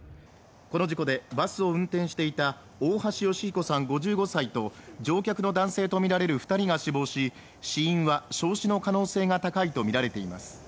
この事故でバスを運転していた大橋義彦さん５５歳と乗客の男性とみられる二人が死亡し死因は焼死の可能性が高いと見られています